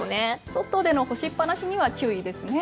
外での干しっぱなしには注意ですね。